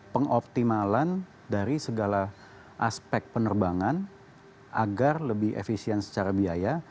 pengoptimalan dari segala aspek penerbangan agar lebih efisien secara biaya